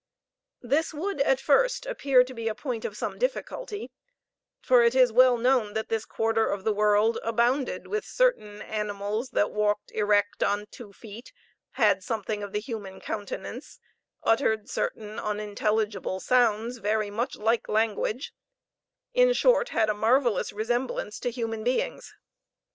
This would at first appear to be a point of some difficulty, for it is well known that this quarter of the world abounded with certain animals, that walked erect on two feet, had something of the human countenance, uttered certain unintelligible sounds, very much like language; in short, had a marvelous resemblance to human beings.